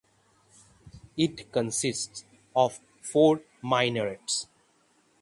It consists of four minarets.